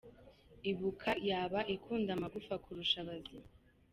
Ibuka yaba ikunda amagufa kurusha abazima?